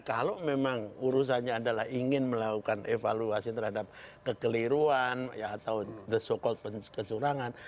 kalau urusannya adalah ingin melakukan evaluasi terhadap kekeliruan atau the so called kesurangan